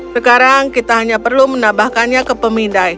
sekarang kita hanya perlu menambahkannya ke pemindai